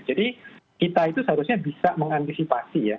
jadi kita itu seharusnya bisa mengantisipasi ya